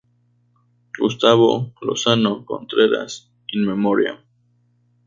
Gustavo Lozano-Contreras In Memoriam.